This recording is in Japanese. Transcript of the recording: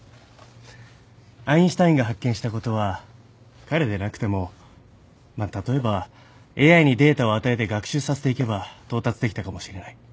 アインシュタインが発見したことは彼でなくてもまあ例えばＡＩにデータを与えて学習させていけば到達できたかもしれない。